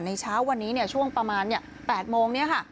เช้าวันนี้ช่วงประมาณ๘โมงนี้ค่ะ